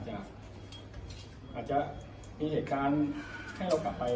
ที่คิดว่าเราเหมือนขนาดนั้นนั่นเลยอ่ะ